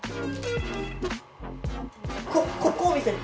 ここを見せる。